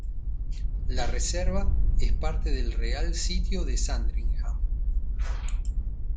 La reserva es parte del Real Sitio de Sandringham.